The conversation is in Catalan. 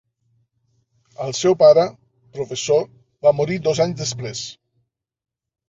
El seu pare, professor, va morir dos anys després.